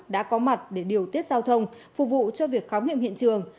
đã có mặt để điều tiết giao thông phục vụ cho việc khám nghiệm hiện trường